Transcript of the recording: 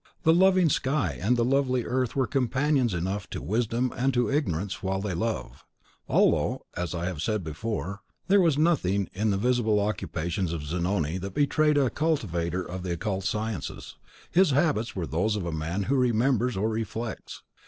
The loving sky and the lovely earth are companions enough to Wisdom and to Ignorance while they love. Although, as I have before said, there was nothing in the visible occupations of Zanoni that betrayed a cultivator of the occult sciences, his habits were those of a man who remembers or reflects.